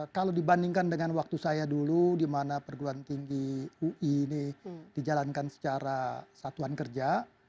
kalau dibandingkan dengan waktu saya dulu di mana perguruan tinggi ui ini dijalankan secara satuan kerja